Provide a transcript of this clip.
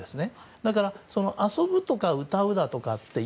だから遊ぶとか歌うだとかっていう。